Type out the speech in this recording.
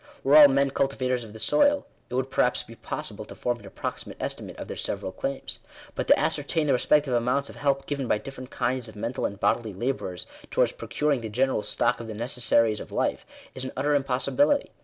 Were all men cultivators of the soil, it would perhaps be possible to form an approximate estimate of their several claims. But to ascertain the respective amounts of help given by different kinds of mental and bodily labourers, towards procuring the general stock of the necessaries of life, is an utter impossibility.